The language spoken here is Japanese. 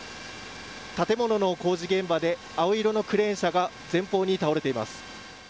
建物の工事現場で青色のクレーン車が前方に倒れています。